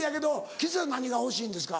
吉瀬さん何が欲しいんですか？